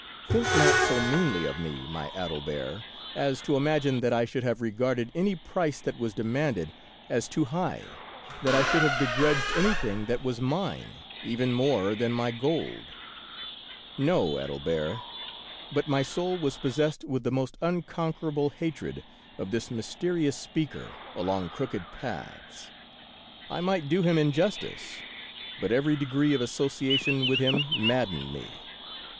Think not so meanly of me, my Adelbert, as to imagine that I should have regarded any price that was demanded as too high; that I should have begrudged any thing that was mine even more than my gold. No, Adelbert 1 But my soul was possessed with the most unconquerable hatred of this mysterious sneaker along crooked paths. I might do him injustice, but every degree of association with him maddened me.